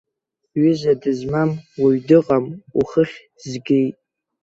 Ҩыза дызмам уаҩ дыҟам, уххь згеит.